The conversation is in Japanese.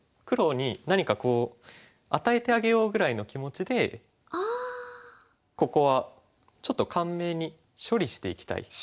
黒に何かこう与えてあげようぐらいの気持ちでここはちょっと簡明に処理していきたい。